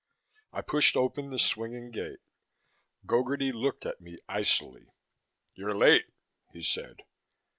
I pushed open the swinging gate. Gogarty looked at me icily. "You're late," he said.